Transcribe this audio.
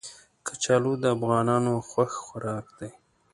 کچالو د افغانانو خوښ خوراک دی